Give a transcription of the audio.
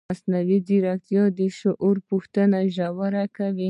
مصنوعي ځیرکتیا د شعور پوښتنه ژوره کوي.